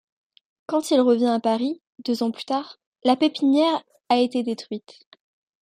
Quand il revient à Paris, deux ans plus tard, la pépinière a été détruite.